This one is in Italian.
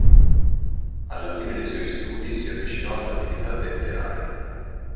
Alla fine dei suoi studi, si avvicinò all'attività letteraria.